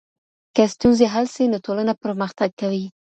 که ستونزې حل سي، نو ټولنه پرمختګ کوي.